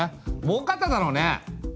もうかっただろうね！